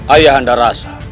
ayah anda rasa